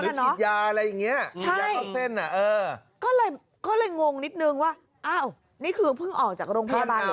หรือฉีดยาอะไรอย่างเงี้ยใช่ก็เลยงงนิดนึงว่าอ้าวนี่คือเพิ่งออกจากโรงพยาบาลหรือยังไง